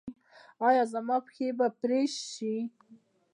ایا زما پښې به پرې شي؟